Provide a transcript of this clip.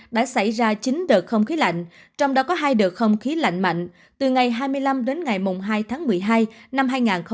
đã xảy ra chín đợt không khí lạnh trong đó có hai đợt không khí lạnh mạnh từ ngày hai mươi năm đến ngày hai tháng một mươi hai năm hai nghìn hai mươi